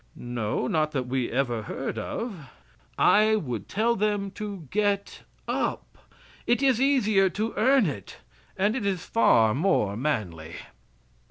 "No, not that we ever heard of." I would tell them to get up. It is easier to earn it, and it is far more manly.